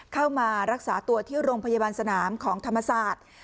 เข้ามารักษาตัวที่โรงพยาบาลสนามของธรรมศาสตร์